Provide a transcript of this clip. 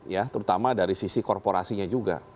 ya terutama dari sisi korporasinya juga